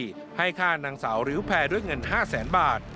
จากนางจุรีให้ฆ่านางสาวริ้วแพร่ด้วยเงิน๕แสนบาท